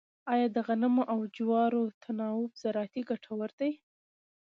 آیا د غنمو او جوارو تناوب زراعتي ګټور دی؟